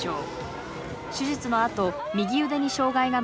手術のあと右腕に障害が残りました。